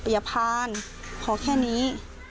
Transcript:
อย่าผ่านขอแค่นี้